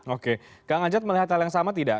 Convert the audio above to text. oke kang ajat melihat hal yang sama tidak